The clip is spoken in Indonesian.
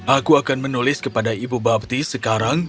aku akan menulis kepada ibu bapti sekarang